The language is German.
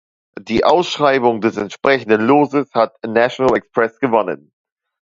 Die Ausschreibung des entsprechenden Loses hat National Express gewonnen.